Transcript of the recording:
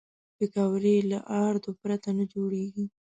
پکورې له آردو پرته نه جوړېږي